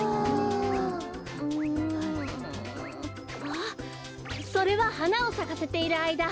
あっそれははなをさかせているあいだ